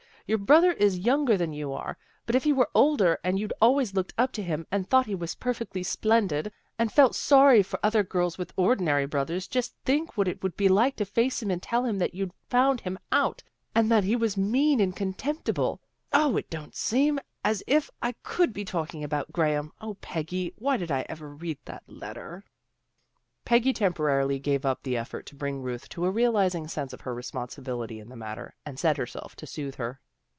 Your brother is younger than you are, but if he were older, and you'd always looked up to him, and thought he was perfectly splendid, and felt sorry for RUTH IS PERPLEXED 161 other girls with ordinary brothers, just think what it would be like to face him and tell him that you'd found him out, and that he was mean and contemptible. 0, it don't seem as if I could be talking about Graham. 0, Peggy, why did I ever read that letter? " Peggy temporarily gave up the effort to bring Ruth to a realizing sense of her responsi bility in the matter, and set herself to soothe her.